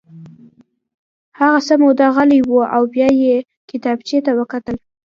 هغه څه موده غلی و او بیا یې کتابچې ته وکتل